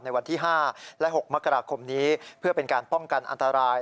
วันที่๕และ๖มกราคมนี้เพื่อเป็นการป้องกันอันตราย